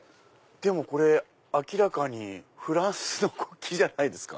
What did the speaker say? でもこれ明らかにフランスの国旗じゃないですか。